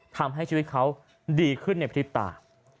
ทำให้ชีวิตเขาดีขึ้นในพริบตา